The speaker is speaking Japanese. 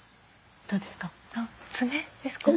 どうですか？